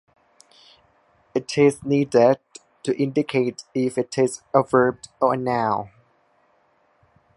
It is needed to indicate if it is a verb or a noun.